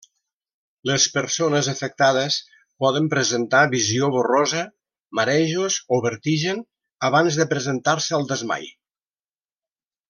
Les persones afectades poden presentar visió borrosa, marejos o vertigen abans de presentar-se el desmai.